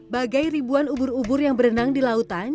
bagai ribuan ubur ubur yang berenang di lautan